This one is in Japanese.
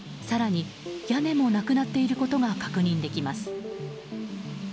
更に、屋根もなくなっていることが確認できます。